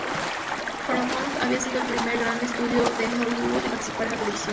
Paramount había sido el primer gran estudio de Hollywood en participar en la televisión.